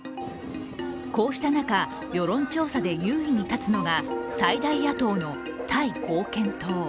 こうした中、世論調査で優位に立つのが最大野党のタイ貢献党。